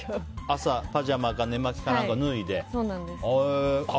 朝、パジャマか寝間着か何か脱いで？